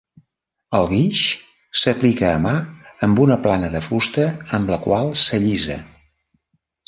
El guix s'aplica a mà amb una plana de fusta, amb la qual s'allisa.